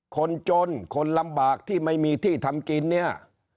คนจนคนลำบากที่ไม่มีที่ทำกินเนี่ย